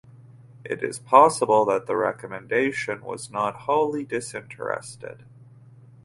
It is possible that the recommendation was not wholly disinterested.